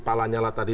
pak lanyala tadi